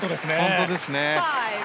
本当ですね。